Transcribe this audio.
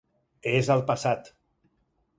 És al passat.